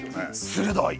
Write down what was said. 鋭い！